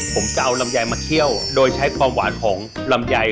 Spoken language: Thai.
ผมจะเอาลำไยมาเคี่ยวโดยใช้ความหวานของลำไย